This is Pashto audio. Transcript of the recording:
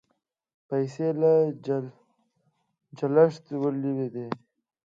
پیسې له چلښته ولوېدې